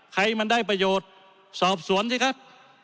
ใครมันได้ประโยชน์สอบสวนสิครับ